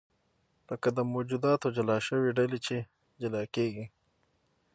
لکه د موجوداتو جلا شوې ډلې چې جلا کېږي.